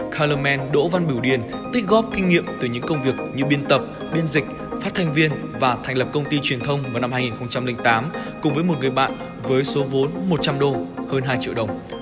kalerman đỗ văn biểu điền tích góp kinh nghiệm từ những công việc như biên tập biên dịch phát thanh viên và thành lập công ty truyền thông vào năm hai nghìn tám cùng với một người bạn với số vốn một trăm linh đô hơn hai triệu đồng